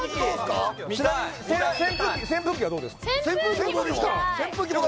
見たい扇風機はどうですか？